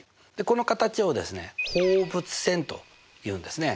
この形をですね放物線というんですね。